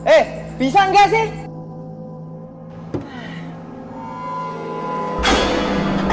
eh bisa gak sih